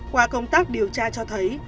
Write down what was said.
qua công tác điều tra cho thấy